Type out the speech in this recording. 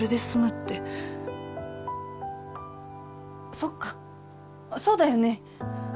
そっかそうだよね。